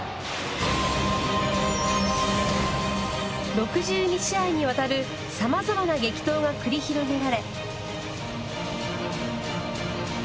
６２試合にわたる様々な激闘が繰り広げられ。